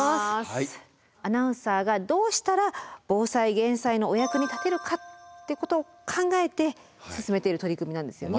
アナウンサーがどうしたら防災・減災のお役に立てるかっていうことを考えて進めている取り組みなんですよね。